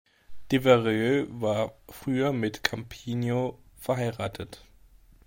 Devereux war früher mit Campioni verheiratet.